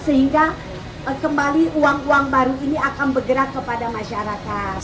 sehingga kembali uang uang baru ini akan bergerak kepada masyarakat